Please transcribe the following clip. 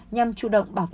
nhằm chủ động bảo vệ